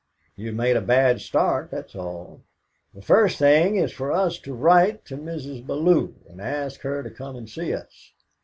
You've made a bad start, that's all. The first thing is for us to write to Mrs. Bellew, and ask her to come and see us.